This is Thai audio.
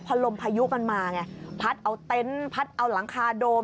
พอลมพายุมันมาไงพัดเอาเต็นต์พัดเอาหลังคาโดม